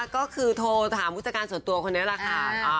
ก็คือโทรถามผู้จัดการส่วนตัวคนนี้แหละค่ะ